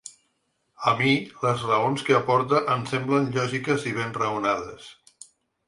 A mi, les raons que aporta em semblem lògiques i ben raonades.